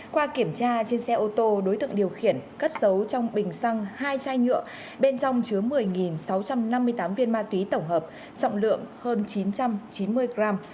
qua kiểm tra trên xe ô tô đối tượng điều khiển cất dấu trong bình xăng hai chai nhựa bên trong chứa một mươi sáu trăm năm mươi tám viên ma túy tổng hợp trọng lượng hơn chín trăm chín mươi gram